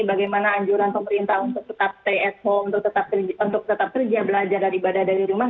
bagaimana anjuran pemerintah untuk tetap stay at home untuk tetap kerja belajar dari ibadah dari rumah